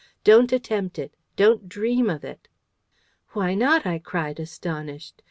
Don't attempt it! Don't dream of it!" "Why not?" I cried, astonished.